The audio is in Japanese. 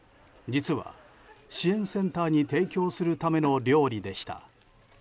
実は、支援センターに提供するための料理でした。